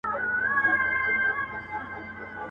چي زمري به ښکارول هغه یې خپل وه.